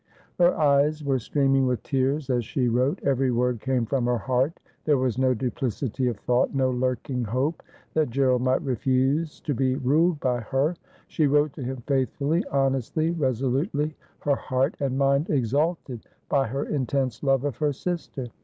Her eyes were streaming with tears as she wrote. Every word came from her heart. There was no duplicity of thought, no lurking hope that Gerald might refuse to be ruled by her. She wrote to him faithfully, honestly, resolutely, her heart and mind exalted by her intense love of her sister.